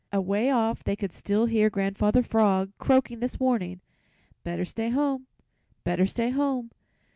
Away off they could still hear Grandfather Frog croaking his warning: "Better stay home, better stay home."